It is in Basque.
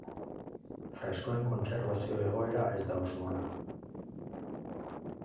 Freskoen kontserbazio egoera ez da oso ona.